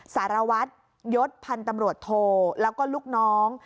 สารวัตรยศพันธ์ตำรวจโทแล้วก็ลูกน้อง